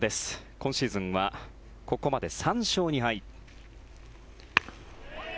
今シーズンはここまで３勝２敗。